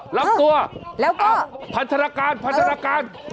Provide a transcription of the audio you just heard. หลับตัวหลับตัวพันธรกาล